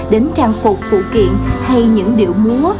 đến trang phục phụ kiện hay những điệu múa